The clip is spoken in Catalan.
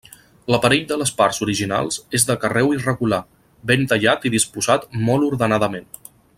L'aparell de les parts originals és de carreu irregular, ben tallat i disposat molt ordenament.